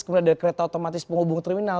kemudian ada kereta otomatis penghubung terminal